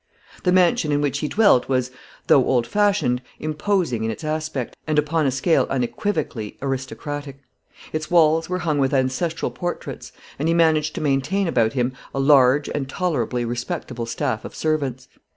The mansion in which he dwelt was, though old fashioned, imposing in its aspect, and upon a scale unequivocally aristocratic; its walls were hung with ancestral portraits, and he managed to maintain about him a large and tolerably respectable staff of servants.